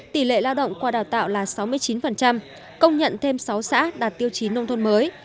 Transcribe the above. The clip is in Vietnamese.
tỷ lệ lao động qua đào tạo là sáu mươi chín công nhận thêm sáu xã đạt tiêu chí nông thôn mới